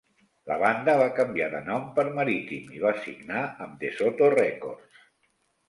La banda va canviar de nom per Maritime i va signar amb DeSoto Records.